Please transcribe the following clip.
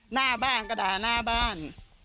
หน้าบ้านกระดาหน้าบ้าน